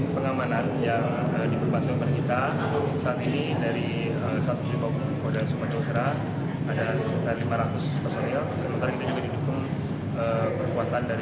personel pengamanan yang diperbantu berdita